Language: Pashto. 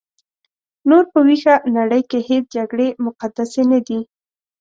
نور په ویښه نړۍ کې هیڅ جګړې مقدسې نه دي.